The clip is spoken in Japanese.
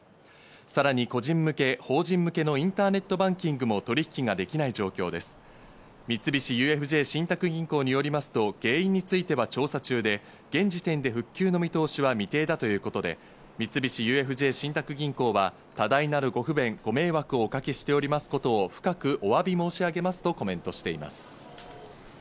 さらに個人向け、法人向けのインターネットバンキングも取引ができない状況です。三菱ＵＦＪ信託銀行によりますと原因については調査中で現時点で復旧の見通しは未定だということで、三菱ＵＦＪ信託銀行は多大なるご不便、ご迷惑をおかけしておりますことを深くお詫び申し上げますとコメントしています。